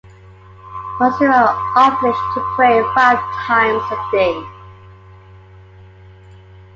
Muslims are obliged to pray five times a day.